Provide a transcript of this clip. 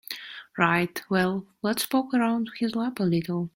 Right, well let's poke around his lab a little.